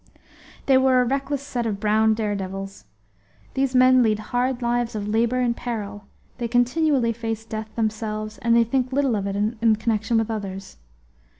They were a reckless set of brown daredevils. These men lead hard lives of labor and peril; they continually face death themselves, and they think little of it in connection with others.